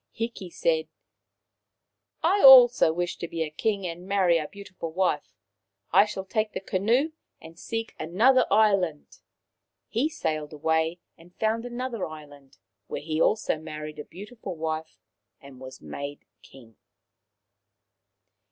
Hiki said : "I also wish to be a king and marry a beautiful wife. I shall take the canoe and seek another island." He sailed away and found another island, where he also married a beautiful wife and was made king.